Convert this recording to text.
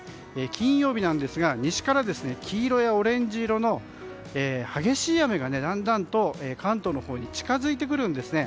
金曜日なんですが西から黄色やオレンジ色の激しい雨がだんだんと関東に近づいてくるんですね。